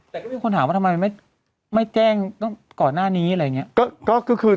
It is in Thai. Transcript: แต่ก็มีคนถามว่าทำไมไม่แจ้งต้องก่อนหน้านี้อะไรอย่างนี้